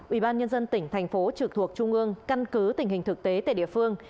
ủy ban nhân dân tỉnh thành phố trực thuộc trung ương căn cứ tình hình thực tế tại địa phương